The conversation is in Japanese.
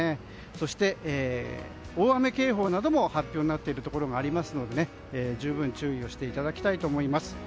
そして、大雨警報なども発表になってるところがありますので十分注意していただきたいと思います。